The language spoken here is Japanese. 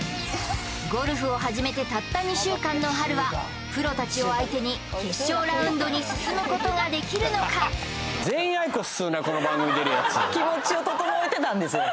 ゴルフを始めてたった２週間のはるはプロたちを相手に決勝ラウンドに進むことができるのか気持ちを整えてたんですよ